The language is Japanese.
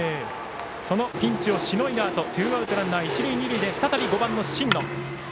そのピンチをしのいだあとツーアウトランナー一塁二塁で再び５番の新野。